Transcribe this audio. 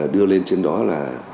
đưa lên trên đó là